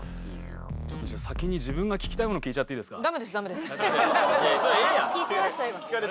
先に自分が聞きたいもの聞いちゃっていいですか？